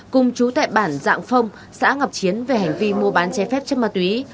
cùng chú tại bản dạng phong xã ngọc chiến về hành vi mua bán trái phép chất ma túy